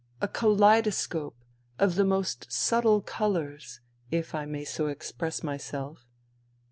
A kaleidoscope of the most subtle colours, if I may so express myself.